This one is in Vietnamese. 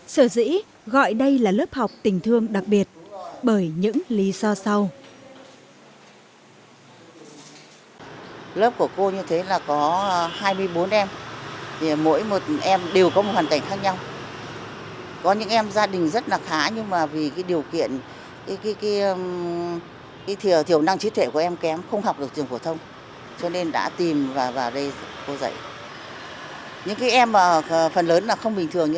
sở dĩ gọi đây là lớp học tình thương đặc biệt bởi những lý do sau